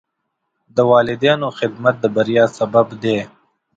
د والدینو خدمت د بریا سبب دی.